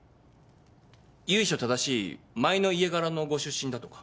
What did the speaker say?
由緒正しい舞の家柄のご出身だとか。